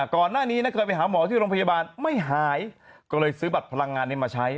ก่อนหน้านี้เคยไปหาหมอที่โรงพยาบาลไม่หายก็เลยซื้อบัตรพลังงานนี้มาใช้